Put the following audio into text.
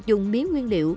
dùng mía nguyên liệu